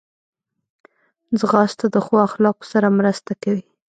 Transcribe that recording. ځغاسته د ښو اخلاقو سره مرسته کوي